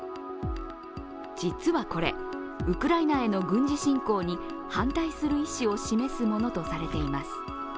実はこれ、ウクライナへの軍事侵攻に反対する意思を示すものとされています。